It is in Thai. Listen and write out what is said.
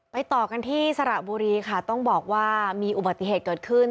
ต่อกันที่สระบุรีค่ะต้องบอกว่ามีอุบัติเหตุเกิดขึ้น